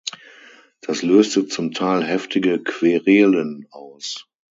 Das löste zum Teil heftige Querelen aus.